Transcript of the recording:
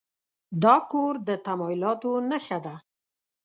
دا کور د تمایلاتو نښه ده.